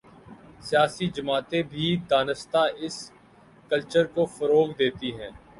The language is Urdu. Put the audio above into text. سیاسی جماعتیں بھی دانستہ اس کلچرکو فروغ دیتی ہیں۔